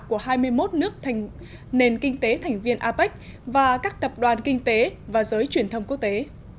của hai mươi một nước nền kinh tế thành viên apec và các tập đoàn kinh tế và giới truyền thông quốc tế